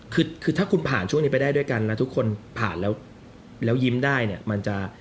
คือคือถ้าคุณผ่านช่วงนี้ไปได้ด้วยกันนะทุกคนผ่านแล้วยิ้มได้เนี่ยมันจะ